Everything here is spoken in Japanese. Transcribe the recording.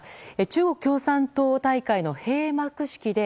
中国共産党大会の閉幕式で